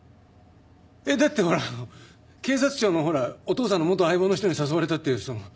だってほら警察庁のほらお父さんの元相棒の人に誘われたっていうその。